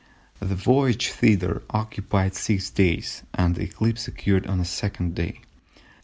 The voyage thither occupied six days, and the eclipse occurred on the second day.